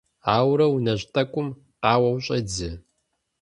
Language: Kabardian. Ауэрэ унэжь тӀэкӀум къауэу щӀедзэ.